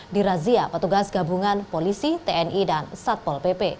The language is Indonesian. dirazia petugas gabungan polisi tni dan satpol pp